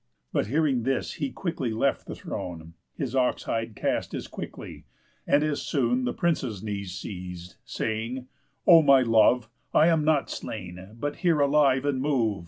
But hearing this he quickly left the throne, His ox hide cast as quickly, and as soon The prince's knees seiz'd, saying: "O my love, I am not slain, but here alive and move.